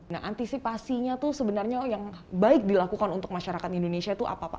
nah antisipasinya itu sebenarnya yang baik dilakukan untuk masyarakat indonesia itu apa pak